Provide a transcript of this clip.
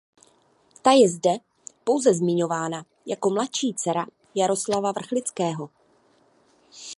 Ta je zde pouze zmiňována jako „mladší dcera“ Jaroslava Vrchlického.